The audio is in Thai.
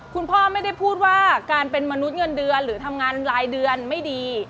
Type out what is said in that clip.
คุณพ่อไม่ได้พูดว่าการเป็นมนุษย์เงินเดือนหรือทำงานรายเดือนไม่ดี